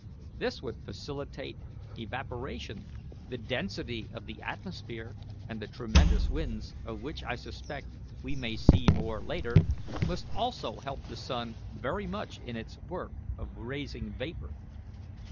This would facilitate evaporation. The density of the atmosphere and the tremendous winds, of which I suspect we may see more later, must also help the sun very much in its work of raising vapour.